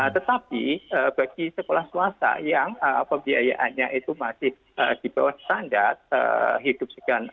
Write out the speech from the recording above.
tetapi bagi sekolah swasta yang pembiayaannya itu masih di bawah standar hidup sekian